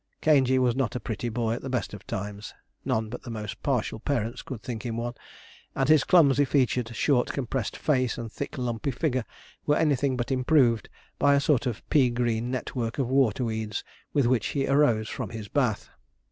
Caingey was not a pretty boy at the best of times none but the most partial parents could think him one and his clumsy featured, short, compressed face, and thick, lumpy figure, were anything but improved by a sort of pea green net work of water weeds with which he arose from his bath.